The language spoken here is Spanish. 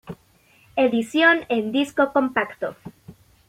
Edición en disco compacto